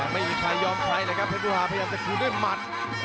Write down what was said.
ไม่มีใครยอมไขนะครับเพชรภาพยักษ์จะถูกด้วยหมัด